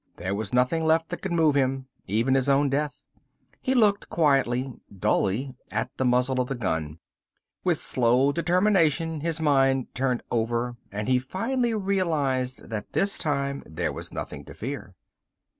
There was nothing left that could move him, even his own death. He looked quietly dully at the muzzle of the gun. With slow determination his mind turned over and he finally realized that this time there was nothing to fear.